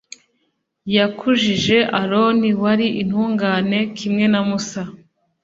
yakujije aroni, wari intungane kimwe na musa